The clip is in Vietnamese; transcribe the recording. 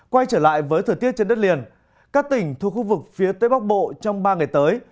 quay trở lại với thời tiết trên đất liền các tỉnh thuộc khu vực phía tây bắc bộ trong ba ngày tới